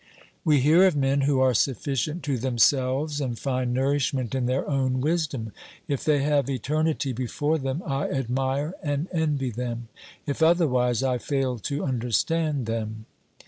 We hear of men who are sufficient to themselves and find nourishment in their own wisdom. If they have eternity before them, I admire and envy them ; if otherwise, I fail to understand them.